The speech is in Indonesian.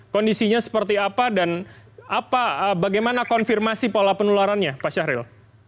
kondisinya seperti apa dan bagaimana konfirmasi pola penularannya pak syahril